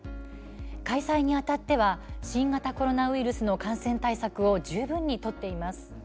開催にあたっては新型コロナウイルスの感染対策を十分に取っています。